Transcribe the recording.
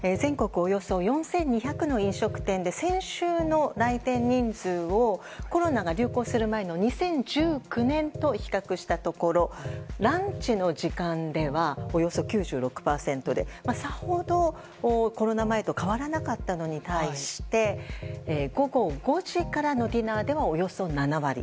およそ４２００の飲食店で先週の来店人数をコロナが流行する前の２０１９年と比較したところランチの時間ではおよそ９６％でさほどコロナ前と変わらなかったのに対して午後５時からのディナーではおよそ７割。